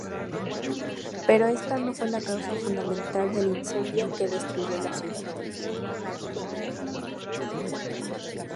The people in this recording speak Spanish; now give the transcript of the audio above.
Pero esta no fue la causa fundamental del incendio que destruyó la ciudad.